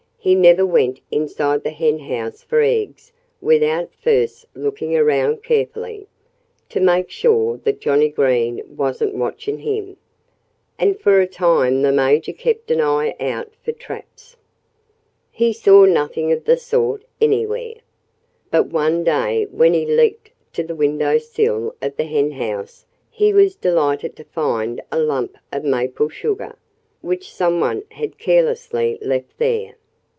He never went inside the henhouse for eggs without first looking around carefully, to make sure that Johnnie Green wasn't watching him. And for a time the Major kept an eye out for traps. He saw nothing of the sort anywhere. But one day when he leaped to the window sill of the henhouse he was delighted to find a lump of maple sugar, which some one had carelessly left there.